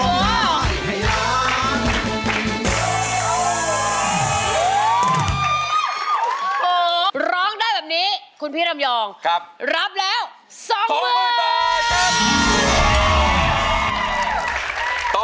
โหร้องได้แบบนี้คุณพี่ลำยองครับรับแล้วสองหมื่นบาทครับ